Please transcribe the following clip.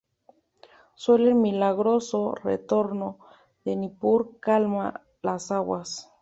Sólo el milagroso retorno de Nippur calma las aguas.